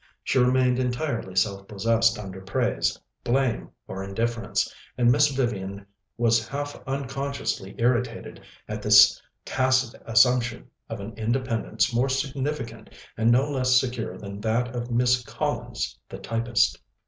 She remained entirely self possessed under praise, blame, or indifference, and Miss Vivian was half unconsciously irritated at this tacit assumption of an independence more significant and no less secure than that of Miss Collins the typist.